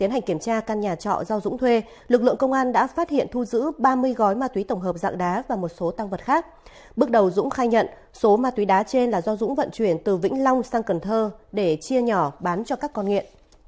hãy đăng ký kênh để ủng hộ kênh của chúng mình nhé